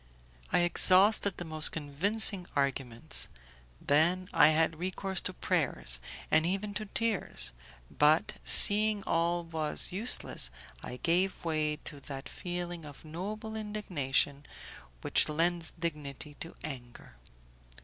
I exhausted the most convincing arguments; then I had recourse to prayers, and even to tears; but, seeing all was useless, I gave way to that feeling of noble indignation which lends dignity to anger.